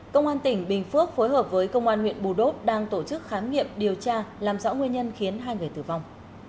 công an tỉnh bình phước phối hợp với công an huyện bù đốt đang tổ chức khám nghiệm điều tra làm rõ nguyên nhân khiến hai người tử vong